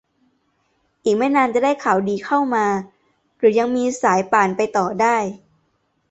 อีกไม่นานจะได้ข่าวดีเข้ามา หรือยังมีสายป่านไปต่อได้